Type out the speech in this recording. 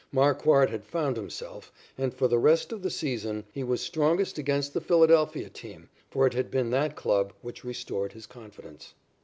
Marquard had found himself, and, for the rest of the season, he was strongest against the Philadelphia team, for it had been that club which restored his confidence.